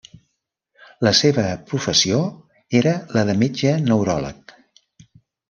La seva professió era la de metge neuròleg.